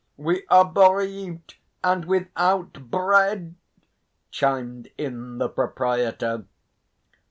"We are bereaved and without bread!" chimed in the proprietor.